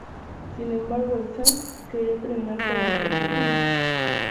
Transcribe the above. Sin embargo, el "Sejm" quería terminar con la contienda.